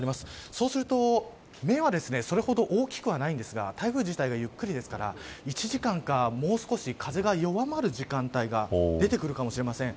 そうすると目はそれほど大きくはないんですが台風自体がゆっくりですから１時間か、もう少し風が弱まる時間帯が出てくるかもしれません。